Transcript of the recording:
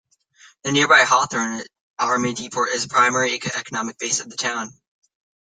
The nearby Hawthorne Army Depot is the primary economic base of the town.